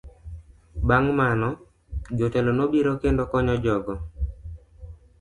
Bang' mano, jotelo nobiro kendo konyo jogo.